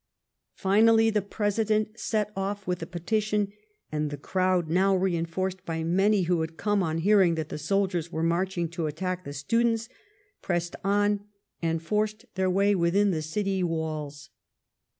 Finally the President set off with the petition, and the crowd, now reinforced by many who had come on hearing that the soldiers ^^ ere marching to attack the students, pressed on and forced their way within the city walls.